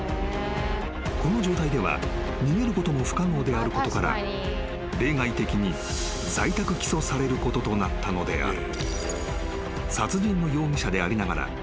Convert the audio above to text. ［この状態では逃げることも不可能であることから例外的に在宅起訴されることとなったのである］